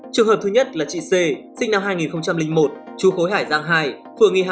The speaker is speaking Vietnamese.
trường hợp thứ nhất là chị c sinh năm hai nghìn một chú khối hải giang hai